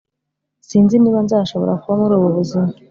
sinzi niba nzashobora kuba muri ubu buzima